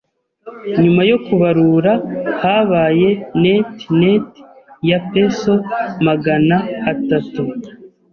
Nyuma yo kubarura, habaye net net ya pesos magana atatu.